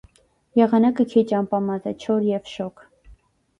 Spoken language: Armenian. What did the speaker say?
Եղանակը քիչ ամպամած է, չոր և շոգ։